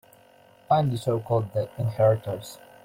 Find a show called The Inheritors